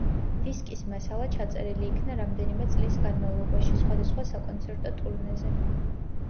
დისკის მასალა ჩაწერილი იქნა რამდენიმე წლის განმავლობაში, სხვადასხვა საკონცერტო ტურნეზე.